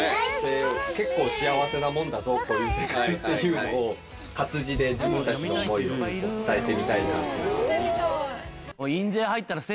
結構幸せなもんだぞという生活っていうのを活字で自分たちの思いを伝えてみたいなと。